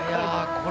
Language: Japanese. これ。